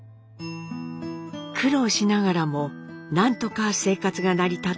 苦労しながらも何とか生活が成り立っていた大久保家。